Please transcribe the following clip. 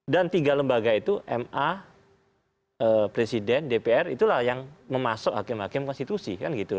dan tiga lembaga itu ma presiden dpr itulah yang memasuk hakim hakim konstitusi